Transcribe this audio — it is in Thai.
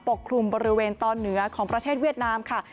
กลุ่มบริเวณตอนเหนือของประเทศเวียดนามค่ะ